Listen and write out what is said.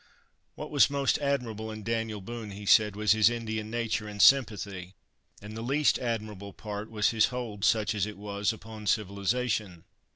What was most admirable in Daniel Boone, he said, was his Indian nature and sympathy; and the least admirable part was his hold, such as it was, upon civilization.